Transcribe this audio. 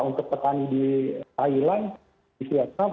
untuk petani di thailand di vietnam